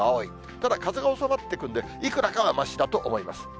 ただ、風が収まってくるんで、いくらかはましだと思います。